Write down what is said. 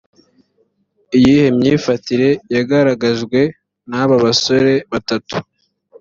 iyihe myifatire yagaragajwe na ba basore batatu